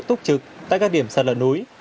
tốc trực tại các điểm sạt lở núi